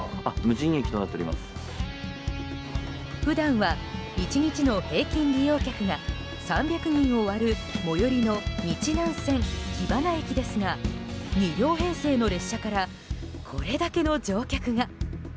普段は１日の平均利用客が３００人を割る最寄りの日南線木花駅ですが２両編成の列車からこれだけの乗客が。